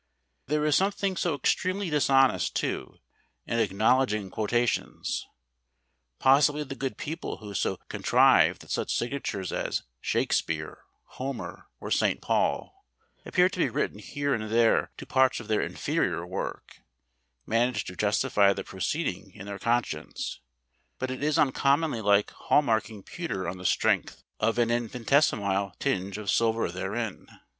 There is something so extremely dishonest, too, in acknowledging quotations. Possibly the good people who so contrive that such signatures as "Shakespeare," "Homer," or "St. Paul," appear to be written here and there to parts of their inferior work, manage to justify the proceeding in their conscience; but it is uncommonly like hallmarking pewter on the strength of an infinitesimal tinge of silver therein.